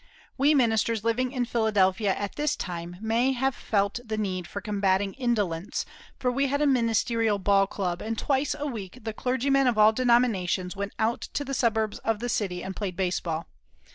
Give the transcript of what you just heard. We ministers living in Philadelphia at this time may have felt the need for combating indolence, for we had a ministerial ball club, and twice a week the clergymen of all denominations went out to the suburbs of the city and played baseball.